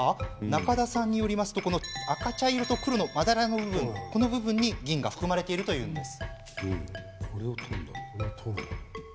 中田さんによるとこの赤茶色と黒のまだらな部分に銀が含まれているというんです。